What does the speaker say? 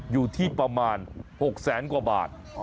อยู่ที่ประมาณ๖แสนกว่าบาท